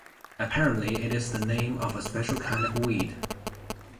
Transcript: Apparently it is the name of a special kind of weed.